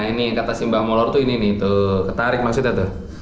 nah ini kata si mbak molor tuh ini nih tuh ketarik maksudnya tuh